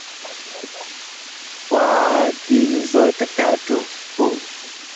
kwa dini zote tatu kuu